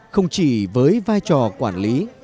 không chỉ với vai trò quản lý